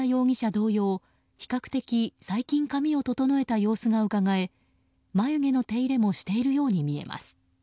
同様、比較的最近髪を整えた様子がうかがえ眉毛の手入れもしているように見えます。